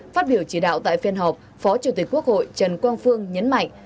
phát biểu chỉ đạo tại phiên họp phó chủ tịch quốc hội trần quang phương nhấn mạnh